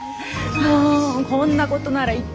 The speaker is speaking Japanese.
もうこんなことなら言ってよね。